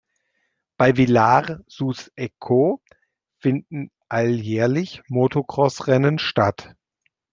Bei Villars-sous-Écot finden alljährlich Motocross-Rennen statt.